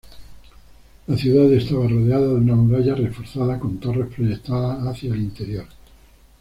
La ciudad estaba rodeada de una muralla reforzada con torres proyectadas hacia el interior.